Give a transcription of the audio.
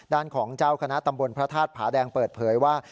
ด้านของเจ้าคณะตำบลพระธาตุผาแดงเปิดเผยว่า